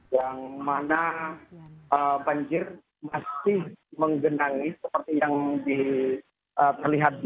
yang mana banjir masih menggenangi seperti yang terlihat di